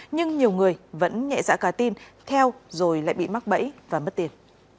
nhưng nhiều người vẫn nhẹ dạ cả tin theo rồi lại bị mắc bẫy và mất tiền